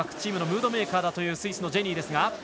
チームのムードメーカーだというスイスのジェニーです。